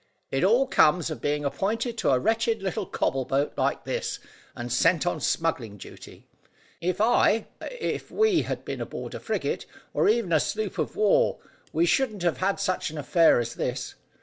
"It all comes of being appointed to a wretched, little cobble boat like this, and sent on smuggling duty. If I if we had been aboard a frigate, or even a sloop of war, we shouldn't have had such an affair as this.